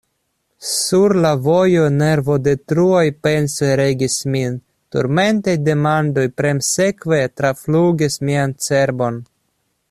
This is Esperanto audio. Sur la vojo nervodetruaj pensoj regis min; turmentaj demandoj premsekve traflugis mian cerbon.